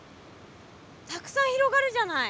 たくさん広がるじゃない。